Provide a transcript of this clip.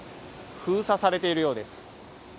封鎖されているようです。